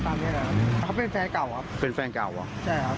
ก็ตามนี้แหละเขาเป็นแฟนเก่าครับเป็นแฟนเก่าเหรอใช่ครับ